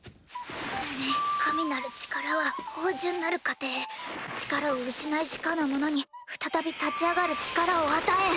う神なる力は芳醇なる糧力を失いしかの者に再び立ち上がる力を与えん。